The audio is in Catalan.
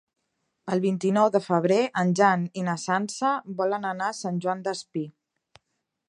El vint-i-nou de febrer en Jan i na Sança volen anar a Sant Joan Despí.